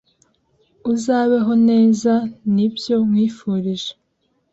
uzabeho nezanbyo nkwifurije